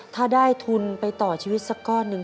ถ้าได้ทุนไปต่อชีวิตสักก้อนหนึ่ง